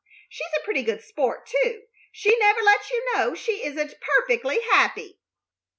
She's a pretty good sport, too; she never lets you know she isn't perfectly happy."